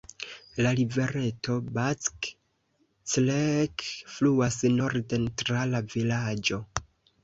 La rivereto Back Creek fluas norden tra la vilaĝo.